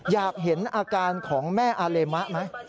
อยากเห็นอาการของแม่อาเลมะไหม